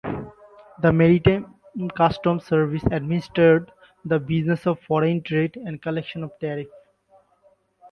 The Maritime Customs Service administered the business of foreign trade and collection of tariff.